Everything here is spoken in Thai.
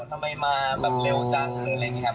ทำไมมาแบบเร็วจังหรืออะไรอย่างนี้